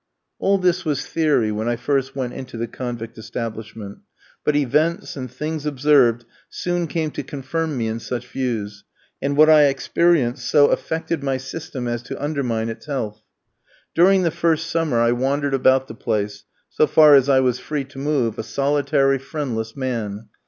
All this was theory when I first went into the convict establishment, but events, and things observed, soon came to confirm me in such views, and what I experienced so affected my system as to undermine its health. During the first summer I wandered about the place, so far as I was free to move, a solitary, friendless man.